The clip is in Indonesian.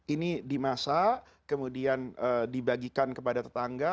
ini dimasak kemudian dibagikan kepada tetangga